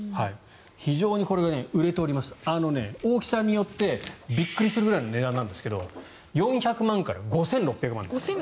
非常にこれが売れておりまして大きさによってびっくりするくらいの値段なんですが４００万円から５６００万円です。